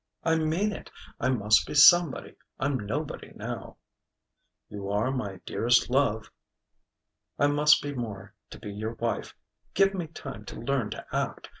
"I mean it. I must be somebody. I'm nobody now." "You are my dearest love." "I must be more, to be your wife. Give me time to learn to act.